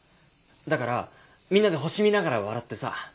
だからみんなで星見ながら笑ってさ。